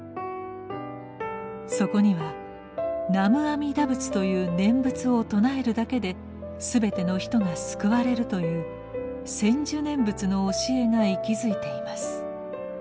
そこには「南無阿弥陀仏」という念仏を称えるだけで全ての人が救われるという「専修念仏」の教えが息づいています。